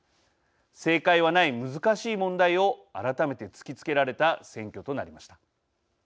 正解はない難しい問題を改めて突き付けられた選挙となりました。